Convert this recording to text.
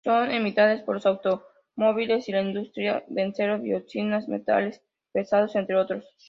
Son emitidas por los automóviles y la industria: benceno, dioxinas, metales pesados, entre otros.